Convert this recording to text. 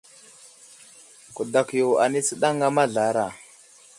Kudakw yo anay tsənaŋa mazlara.